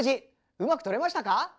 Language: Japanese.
うまく撮れましたか？